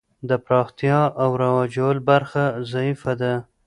د پراختیا او رواجول برخه ضعیفه ده.